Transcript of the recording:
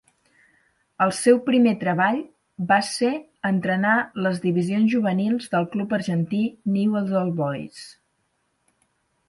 El seu primer treball va ser entrenar les divisions juvenils del club argentí Newell's Old Boys.